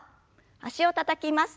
脚をたたきます。